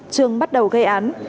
trường bắt đầu gây án